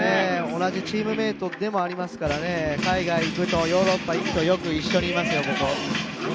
同じチームメートでもありますからね、海外ヨーロッパ行くと、よくここにいますよ、一緒。